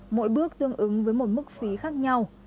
mỗi bước tương ứng với một mức phí khác nhau